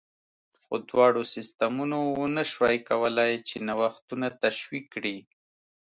خو دواړو سیستمونو ونه شوای کولای چې نوښتونه تشویق کړي